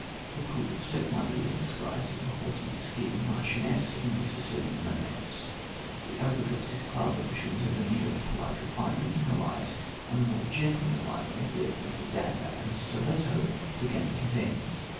The cruel stepmother is disguised as a haughty, scheming marchioness in The Sicilian Romance. The ogre drops his club, assumes a veneer of polite refinement and relies on the more gentlemanlike method of the dagger and stiletto for gaining his ends.